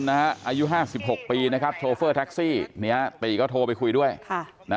อายุ๕๖ปีนะครับโชเฟอร์แท็กซี่เนี่ยตีก็โทรไปคุยด้วย